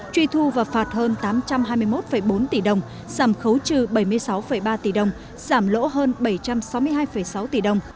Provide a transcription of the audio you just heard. truy thu và phạt hơn tám trăm hai mươi một bốn tỷ đồng giảm khấu trừ bảy mươi sáu ba tỷ đồng giảm lỗ hơn bảy trăm sáu mươi hai sáu tỷ đồng